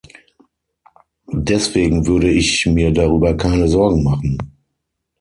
Deswegen würde ich mir darüber keine Sorgen machen.